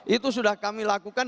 itu sudah kami lakukan